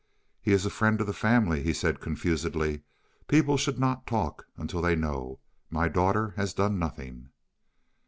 "He is a friend of the family," he said confusedly. "People should not talk until they know. My daughter has done nothing."